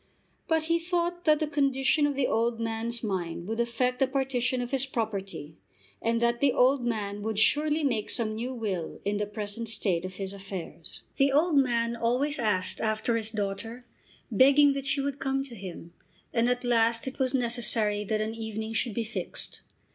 But he thought that the condition of the old man's mind would affect the partition of his property, and that the old man would surely make some new will in the present state of his affairs. The old man always asked after his daughter, begging that she would come to him, and at last it was necessary that an evening should be fixed.